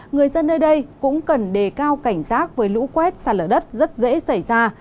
người dân nơi đây cũng cần đề cao cảnh giác với lũ quét xa lở đất rất dễ xảy ra